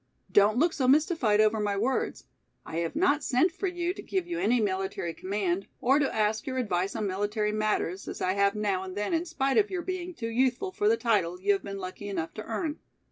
Don't look so mystified over my words. I have not sent for you to give you any military command, or to ask your advice on military matters, as I have now and then in spite of your being too youthful for the title you have been lucky enough to earn.